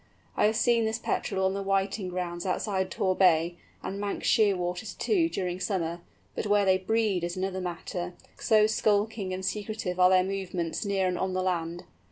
I have seen this Petrel on the whiting grounds outside Tor Bay, and Manx Shearwaters, too, during summer; but where they breed is another matter, so skulking and secretive are their movements near and on the land.